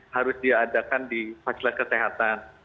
harus diajarkan di fakultas kesehatan